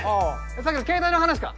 さっきの携帯の話か？